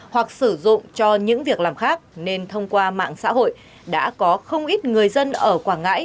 hoặc sử dụng cho những việc làm khác nên thông qua mạng xã hội đã có không ít người dân ở quảng ngãi